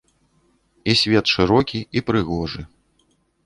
І свет шырокі і прыгожы.